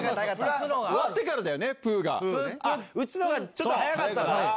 打つのがちょっと早かったかな。